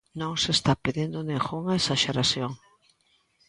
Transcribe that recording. Non se está pedindo ningunha exaxeración.